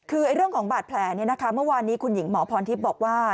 คือเรื่องของบาดแผลเมื่อวานนี้คุณหญิงหมอพรทิพย์บอกว่า